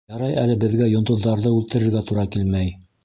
Ярай әле беҙгә йондоҙҙарҙы үлтерергә тура килмәй!